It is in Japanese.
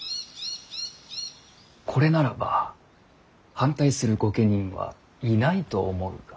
これならば反対する御家人はいないと思うが。